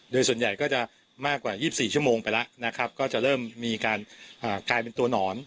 โดยส่วนใหญ่ก็จะมากกว่า๒๔ชั่วโมงไปแล้วนะครับก็จะเริ่มมีการกลายเป็นตัวหนอน